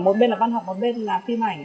một bên là văn học một bên là phim ảnh